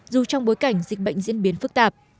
dù trong bối cảnh dịch bệnh diễn biến phức tạp